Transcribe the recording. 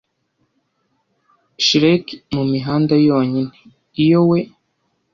Shriek mumihanda yonyine. Iyo we